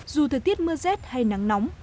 dù thời tiết mưa rét hay nắng nóng